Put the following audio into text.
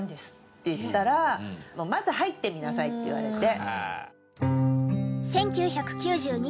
って言ったら「まず入ってみなさい」って言われて。